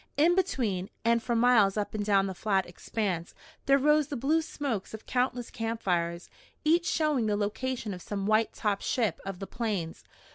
In between, and for miles up and down the flat expanse, there rose the blue smokes of countless camp fires, each showing the location of some white topped ship of the Plains.